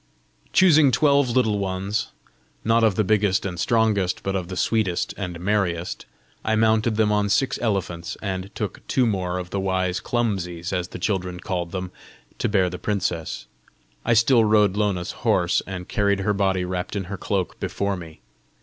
Choosing twelve Little Ones, not of the biggest and strongest, but of the sweetest and merriest, I mounted them on six elephants, and took two more of the wise CLUMSIES, as the children called them, to bear the princess. I still rode Lona's horse, and carried her body wrapt in her cloak before me.